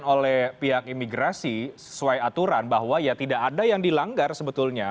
oleh pihak imigrasi sesuai aturan bahwa ya tidak ada yang dilanggar sebetulnya